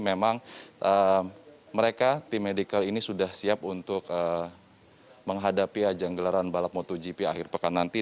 memang mereka tim medical ini sudah siap untuk menghadapi ajang gelaran balap motogp akhir pekan nanti